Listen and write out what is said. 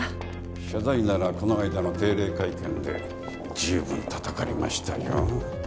謝罪ならこの間の定例会見で十分たたかれましたよ。